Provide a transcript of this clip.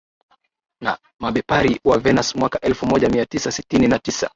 na Mabepari wa Venus mwaka elfumoja miatisa sitini na tisa